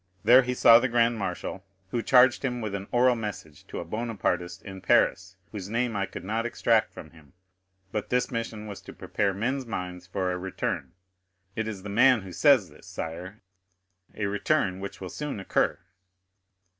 There he saw the grand marshal, who charged him with an oral message to a Bonapartist in Paris, whose name I could not extract from him; but this mission was to prepare men's minds for a return (it is the man who says this, sire)—a return which will soon occur."